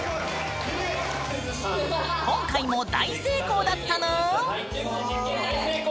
今回も大成功だったぬん。